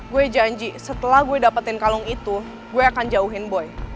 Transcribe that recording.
gue janji setelah gue dapetin kalung itu gue akan jauhin boy